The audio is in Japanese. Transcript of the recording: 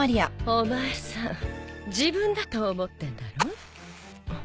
お前さん自分だと思ってんだろ？